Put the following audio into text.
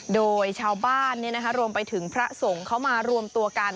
โดยชาวบ้านรวมไปถึงพระสงฆ์เขามารวมตัวกัน